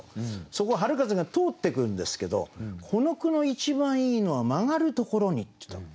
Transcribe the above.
そこを春風が通ってくるんですけどこの句の一番いいのは「曲がるところに」ってとこ。